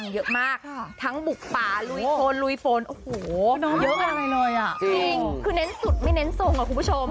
เยอะกันอะไรเลยอ่ะจริงคือเน้นสุดไม่เน้นส่งอ่ะคุณผู้ชม